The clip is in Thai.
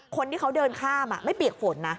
คนที่เขาเดินข้ามไม่เปียกฝนนะ